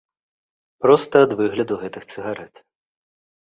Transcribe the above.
Проста ад выгляду гэтых цыгарэт.